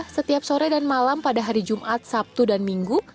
setiap sore dan malam pada hari jumat sabtu dan minggu